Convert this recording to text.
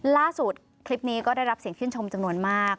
ล่าสุดคลิปนี้ก็ได้รับเสียงชื่นชมจำนวนมาก